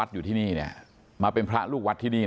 ฝ่ายกรเหตุ๗๖ฝ่ายมรณภาพกันแล้ว